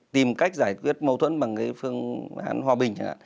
tìm cách giải quyết mâu thuẫn bằng cái phương án hòa bình